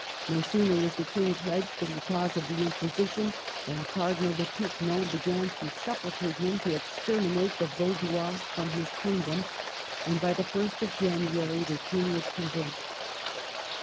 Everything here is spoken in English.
No sooner was the King pledged to the cause of the Inquisition than Cardinal de Tournon began to supplicate him to extermi nate the Vaudois from his kingdom ; and by the 1st of January the King was convinced.